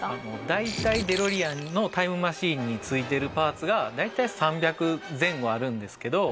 大体デロリアンのタイムマシンについているパーツが大体３００前後あるんですけど。